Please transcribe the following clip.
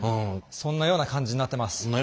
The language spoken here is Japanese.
そんなような感じになってる。